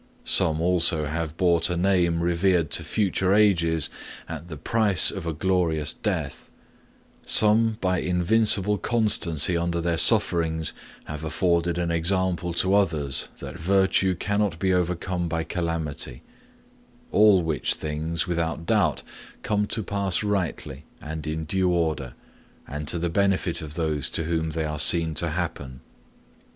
Some also have bought a name revered to future ages at the price of a glorious death; some by invincible constancy under their sufferings have afforded an example to others that virtue cannot be overcome by calamity all which things, without doubt, come to pass rightly and in due order, and to the benefit of those to whom they are seen to happen.